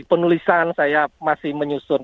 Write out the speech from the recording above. penulisan saya masih menyusun